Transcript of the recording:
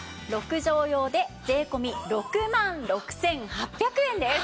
６畳用で税込６万６８００円です。